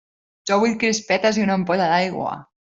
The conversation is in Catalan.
Jo vull crispetes i una ampolla d'aigua!